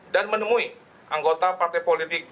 dan menemui anggota partai politik